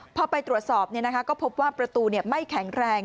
พอไปตรวจสอบก็พบว่าประตูไม่แข็งแรง